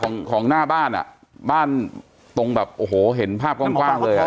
ของของหน้าบ้านอ่ะบ้านตรงแบบโอ้โหเห็นภาพกว้างเลยอ่ะ